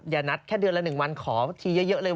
นัดแค่เดือนละ๑วันขอทีเยอะเลย